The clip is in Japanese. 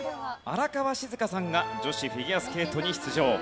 荒川静香さんが女子フィギュアスケートに出場。